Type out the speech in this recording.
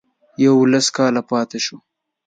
یوولس کاله پاته شو.